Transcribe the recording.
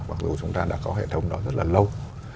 mặc dù chúng ta đã có hệ thống đó rất là lâu